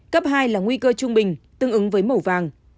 cấp hai là nguy cơ trung bình tương ứng với màu vàng